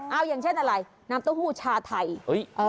เอาอย่างเช่นอะไรน้ำเต้าหู้ชาไทย